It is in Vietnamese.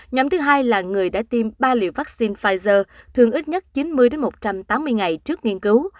nhóm thứ hai là người đã tiêm ba liều vaccine pfizer thường ít nhất chín mươi một trăm tám mươi ngày trước nghiên cứu